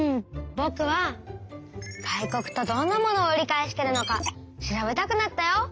ぼくは外国とどんなものを売り買いしてるのか調べたくなったよ。